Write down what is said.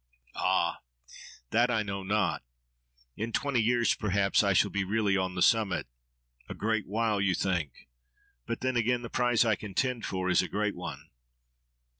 —Ah! that I know not. In twenty years, perhaps, I shall be really on the summit.—A great while! you think. But then, again, the prize I contend for is a great one.